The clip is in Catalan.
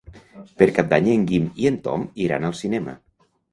Per Cap d'Any en Guim i en Tom iran al cinema.